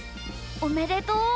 おめでとう！